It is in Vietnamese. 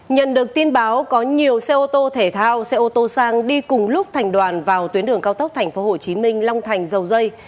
nhận được tin báo có nhiều xe ô tô thể thao xe ô tô sang đi cùng lúc thành đoàn vào tuyến đường cao tốc tp hcm long thành dầu dây